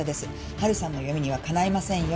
春さんの読みにはかないませんよ。